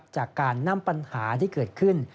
จากการนำปัญหาที่เกิดขึ้น